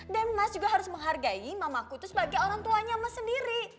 dan mas juga harus menghargai mamaku tuh sebagai orang tuanya mas sendiri